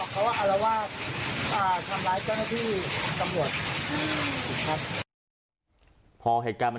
ก็แค่มีเรื่องเดียวให้มันพอแค่นี้เถอะ